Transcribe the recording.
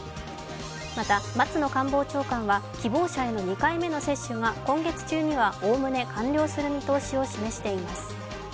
また、松野官房長官は希望者への２回目の接種は今月中にはおおむね完了する見通しを示しています。